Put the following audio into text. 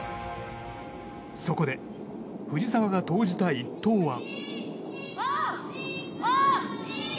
そこで、藤澤が投じた一投は。